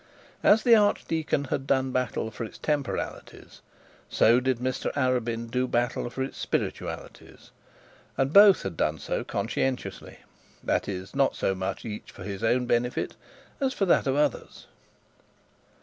As the archdeacon had done battle for its temporalities, so did Mr Arabin do battle for its spiritualities; and both had done so conscientiously; that is, not so much each for his own benefit as for that of others.